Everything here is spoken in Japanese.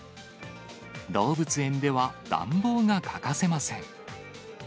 動物園では暖房が欠かせません。